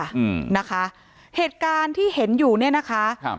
อืมนะคะเหตุการณ์ที่เห็นอยู่เนี้ยนะคะครับ